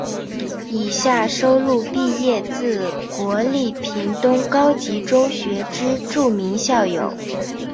以下收录毕业自国立屏东高级中学之著名校友。